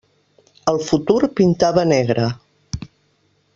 El futur pintava negre.